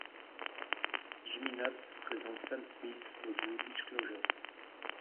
Jimmy Napes présente Sam Smith au duo Disclosure.